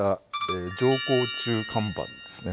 乗降中看板ですね。